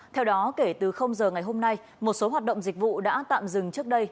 theo đó kể từ giờ ngày hôm nay một số hoạt động dịch vụ đã tạm dừng trước đây